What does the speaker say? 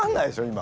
今。